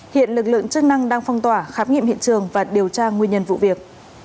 hiện lực lượng chức năng đang phong tỏa khám nghiệm hiện trường và điều tra nguyên nhân vụ việc